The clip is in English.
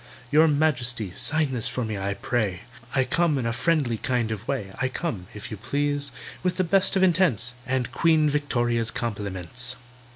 "Your Majesty, sign me this, I pray— I come in a friendly kind of way— I come, if you please, with the best intents, And QUEEN VICTORIA'S compliments."